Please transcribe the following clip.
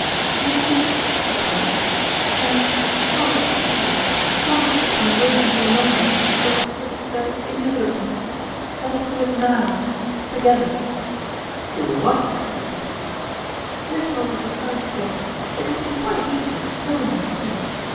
" You do ?" she cried. " Then, oh, Peter ! why should we wait any longer for a fate that is inevitable ? Let us do it now, together 1 "" Do what ?" said Peter. " Slip over the side together ; it would be quite easy, no one will see us.